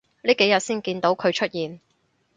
呢幾日先見到佢出現